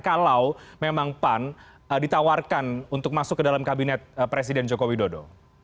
kalau memang pan ditawarkan untuk masuk ke dalam kabinet presiden joko widodo